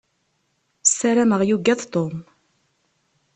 Ssarameɣ yugad Tom.